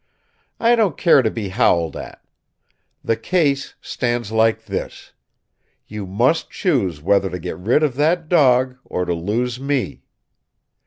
"I don't care to be howled at. The case stands like this: You must choose whether to get rid of that dog or to lose me.